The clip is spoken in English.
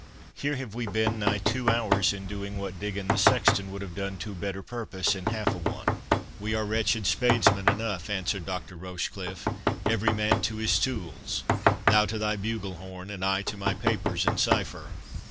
Here have we been nigh two hours in doing what Diggon the sexton would have done to better purpose in half a one." "We are wretched spadesmen enough," answered Dr. Rochecliffe. "Every man to his tools—thou to thy bugle horn, and I to my papers in cipher.